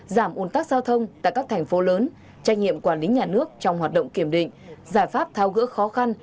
giảm ủn tắc giao thông tại các thành phố lớn trách nhiệm quản lý nhà nước trong hoạt động kiểm định giải pháp thao gỡ khó khăn